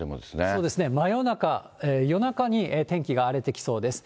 そうですね、真夜中、夜中に天気が荒れてきそうです。